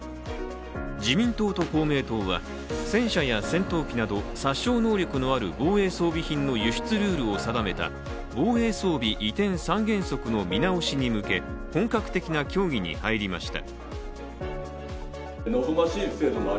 自民党と公明党は戦車や戦闘機など殺傷能力のある防衛装備品の輸出ルールを定めた防衛装備移転三原則の見直しに向け本格的な協議に入りました。